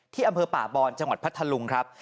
อำเภอป่าบอนจังหวัดพัทธลุงครับ